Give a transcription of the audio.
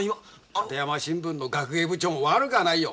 立山新聞の学芸部長も悪くはないよ。